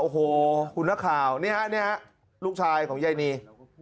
โอ้โหคุณนักข่าวเนี่ยครับเนี่ยครับลูกชายของยายนี